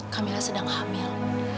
kamilah sedang hamil